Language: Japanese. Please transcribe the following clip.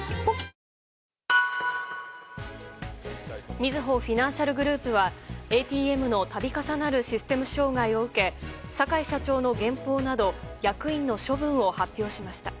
みずほフィナンシャルグループはＡＴＭの度重なるシステム障害を受け坂井社長の減俸など役員の処分を発表しました。